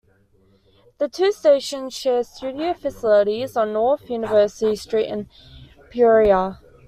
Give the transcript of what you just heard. The two stations share studio facilities on North University Street in Peoria.